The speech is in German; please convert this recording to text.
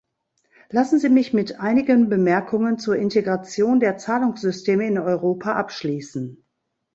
Lassen Sie mich mit einigen Bemerkungen zur Integration der Zahlungssysteme in Europa abschließen.